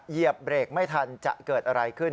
เหยียบเบรกไม่ทันจะเกิดอะไรขึ้น